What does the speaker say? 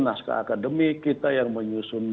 naskah akademik kita yang menyusun